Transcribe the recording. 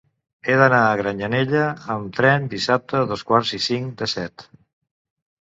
He d'anar a Granyanella amb tren dissabte a dos quarts i cinc de set.